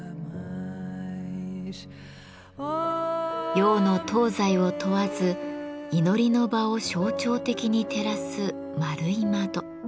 洋の東西を問わず祈りの場を象徴的に照らす円い窓。